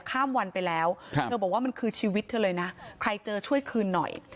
ข้ามวันไปแล้วเธอบอกว่ามันคือชีวิตเธอเลยนะใครเจอช่วยคืนหน่อย